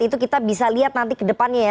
itu kita bisa lihat nanti ke depannya ya